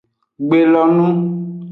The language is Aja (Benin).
Gbelonu.